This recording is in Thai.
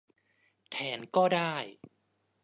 แทนก็ได้